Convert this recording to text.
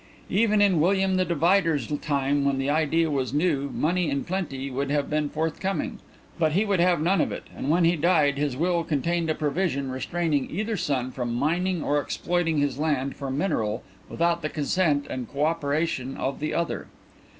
Even in William the Divider's time, when the idea was new, money in plenty would have been forthcoming, but he would have none of it, and when he died his will contained a provision restraining either son from mining or exploiting his land for mineral without the consent and co operation of the other.